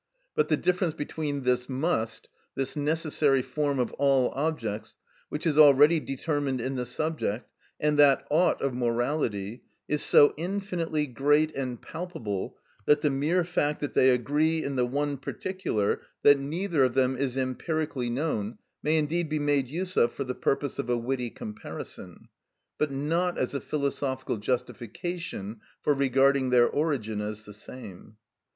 But the difference between this must, this necessary form of all objects which is already determined in the subject, and that ought of morality is so infinitely great and palpable that the mere fact that they agree in the one particular that neither of them is empirically known may indeed be made use of for the purpose of a witty comparison, but not as a philosophical justification for regarding their origin as the same.